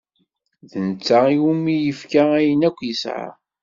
D netta iwumi i yefka ayen akk yesɛa.